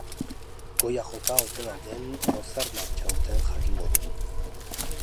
Goia jota ote dauden edo zer martxa duten jakingo dugu.